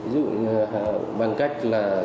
ví dụ bằng cách là